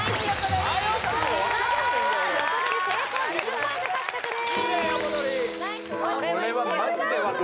横取り成功２０ポイント獲得です